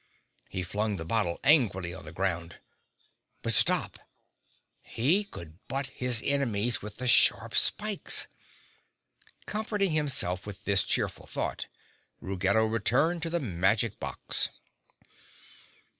He flung the bottle angrily on the ground. But stop! He could butt his enemies with the sharp spikes! Comforting himself with this cheerful thought, Ruggedo returned to the magic box.